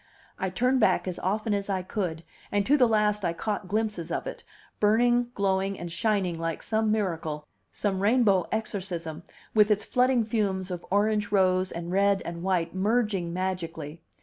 I turned back as often as I could, and to the last I caught glimpses of it, burning, glowing, and shining like some miracle, some rainbow exorcism, with its flooding fumes of orange rose and red and white, merging magically.